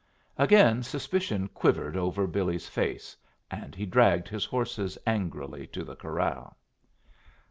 Again suspicion quivered over Billy's face, and he dragged his horses angrily to the corral.